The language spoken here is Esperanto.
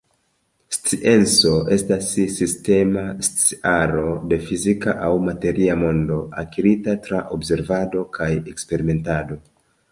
Scienco estas sistema sciaro de fizika aŭ materia mondo akirita tra observado kaj eksperimentado.